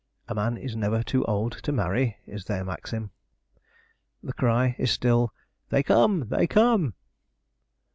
'A man is never too old to marry' is their maxim. The cry is still, 'They come! they come!'